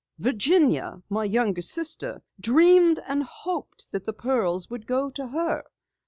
Virginia, my younger sister, dreamed and hoped that the pearls would go to her.